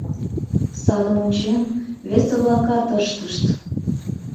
Садым ончен, весе-влакат ыштышт.